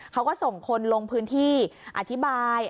เขาก็ส่งคนลงพื้นที่อธิบาย